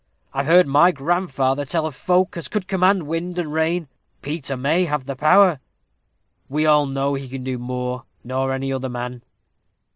I've heard my grandfather tell of folk as could command wind and rain; and, mayhap, Peter may have the power we all know he can do more nor any other man."